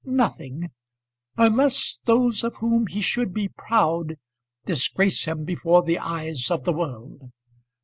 "Nothing; unless those of whom he should be proud disgrace him before the eyes of the world.